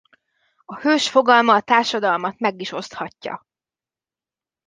A hős fogalma a társadalmat meg is oszthatja.